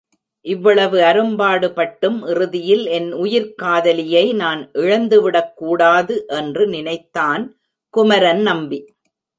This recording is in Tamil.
இவ்வளவு அரும்பாடுபட்டும் இறுதியில் என் உயிர்க் காதலியை நான் இழந்துவிடக் கூடாது என்று நினைத்தான் குமரன் நம்பி.